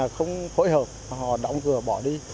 không hỗn hợp họ đóng cửa bỏ đi